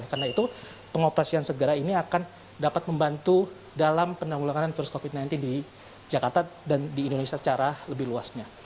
karena itu pengoperasian segera ini akan dapat membantu dalam penanggulangan virus covid sembilan belas di jakarta dan di indonesia secara lebih luasnya